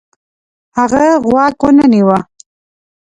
هغه غوږ ونه نیوه.